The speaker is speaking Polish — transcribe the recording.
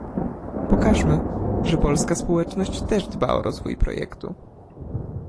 pokażmy, że polska społeczność też dba o rozwój projektu!